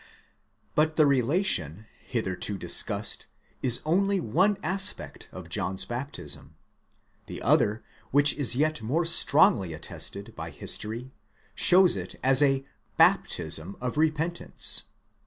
But the relation hitherto discussed is only one aspect of John's baptism; the other, which is yet more strongly attested by history, shows it as a βάπτισμα μετανοίας, a baptism of repentance.